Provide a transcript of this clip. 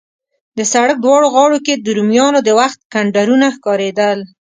د سړک دواړو غاړو کې د رومیانو د وخت کنډرونه ښکارېدل.